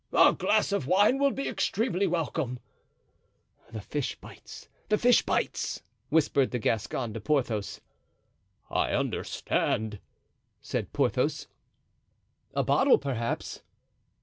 "A glass of wine will be extremely welcome." "The fish bites—the fish bites!" whispered the Gascon to Porthos. "I understand," said Porthos. "A bottle, perhaps?"